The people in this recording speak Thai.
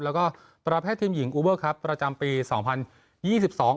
แล้วก็ประเภททีมหญิงอูเบอร์ครับประจำปีสองพันยี่สิบสอง